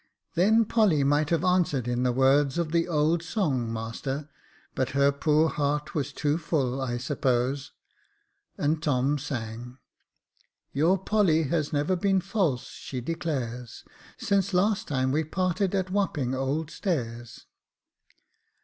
" Then Polly might have answered in the words of the old song, master ; but her poor heart was too full, I suppose." And Tom sang, " Your Polly has never been false, she declares, Since last time we parted at Wapping Old Stairs.